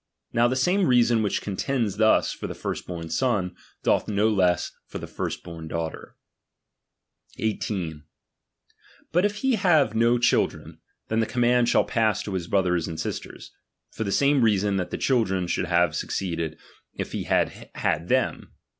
Now the same reason which contends thus for the first born son, doth no less for the first born daughter. Andhiibrotiier, 18. But if hc havc uo children, then the com beBj«™oufD™! mand shall pass to his brothers and sisters ; for the same reason that the children should have suc ceeded, if he had had them.